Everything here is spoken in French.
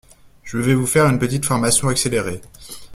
Je vais vous faire une petite formation accélérée.